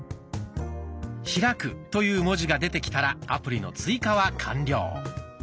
「開く」という文字が出てきたらアプリの追加は完了。